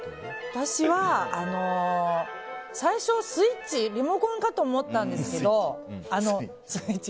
私は、最初リモコンかと思ったんですけど。